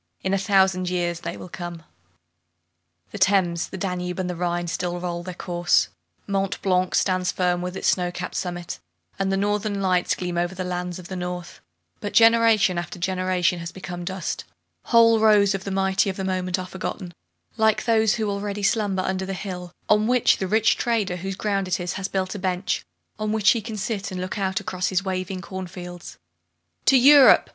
In a thousand years they will come! The Thames, the Danube, and the Rhine still roll their course, Mont Blanc stands firm with its snow capped summit, and the Northern Lights gleam over the land of the North; but generation after generation has become dust, whole rows of the mighty of the moment are forgotten, like those who already slumber under the hill on which the rich trader, whose ground it is, has built a bench, on which he can sit and look out across his waving corn fields. "To Europe!"